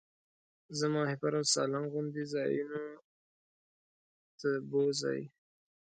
زه ماهیپر او سالنګ غوندې ځایونو ته بوځئ.